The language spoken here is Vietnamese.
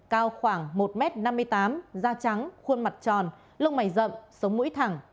cao khoảng một m năm mươi tám da trắng khuôn mặt tròn lông mày rậm sống mũi thẳng